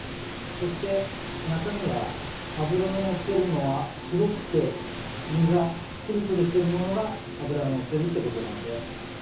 そして中身は脂ののっているのは白くて身がツルツルしているものが脂がのっているということなので。